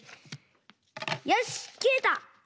よしきれた！